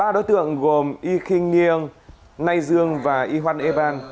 ba đối tượng gồm y kinh nhiêng nay dương và y hoan e ban